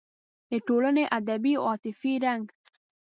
د ټولنې ادبي او عاطفي رنګ